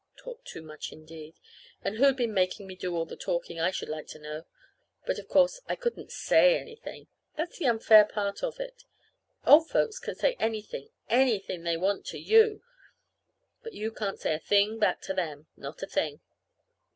Talked too much, indeed! And who'd been making me do all the talking, I should like to know? But, of course, I couldn't say anything. That's the unfair part of it. Old folks can say anything, anything they want to to you, but you can't say a thing back to them not a thing.